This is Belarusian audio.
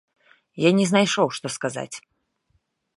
Я не знайшоў, што сказаць.